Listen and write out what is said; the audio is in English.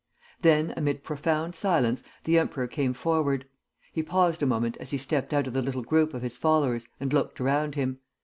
Then, amid profound silence, the emperor came forward. He paused a moment as he stepped out of the little group of his followers and looked around him.